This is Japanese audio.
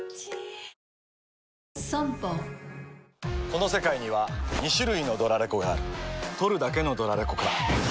この世界には２種類のドラレコがある録るだけのドラレコか・ガシャン！